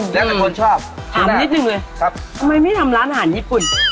แล้วแต่คนชอบถามนิดนึงเลยครับทำไมไม่ทำร้านอาหารญี่ปุ่น